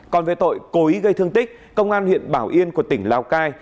còn về tội cố ý gây thương tích công an huyện bảo yên của tỉnh lào cai